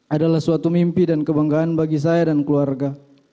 adalah suatu mimpi dan kebanggaan bagi saya dan keluarga